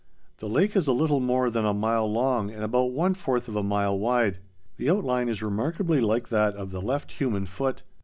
The lake is a little more than a mile long and about one fourth of a mile wide. The outline is remarkably like that of the left human foot.